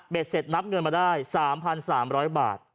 เสร็จนับเงินมาได้๓๓๐๐บาท